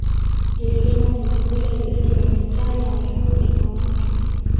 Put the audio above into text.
ililenga kupunguza idadi ya Waitalia Wayahudi na watu